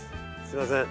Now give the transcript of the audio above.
すいません。